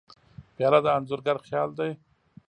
پیاله د انځورګر خیال دی.